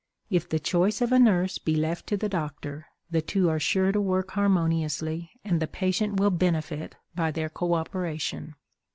If the choice of a nurse be left to the doctor, the two are sure to work harmoniously, and the patient will benefit by their cooperation.